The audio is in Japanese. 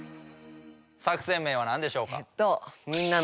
作戦名は何でしょうか？